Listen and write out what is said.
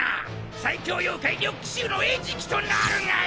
最強妖怪緑鬼衆の餌食となるがいい！